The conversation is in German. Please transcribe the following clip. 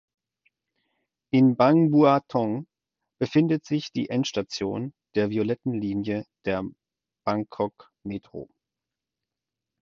In Bang Bua Thong befindet sich die Endstation der violetten Linie der Bangkok Metro.